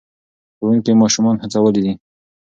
ښوونکي ماشومان هڅولي دي.